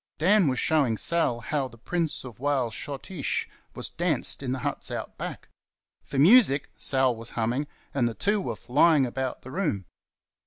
Dan was showing Sal how the Prince of Wales schottische was danced in the huts Out Back. For music, Sal was humming, and the two were flying about the room.